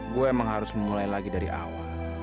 gue emang harus mulai lagi dari awal